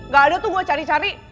gak ada tuh gue cari cari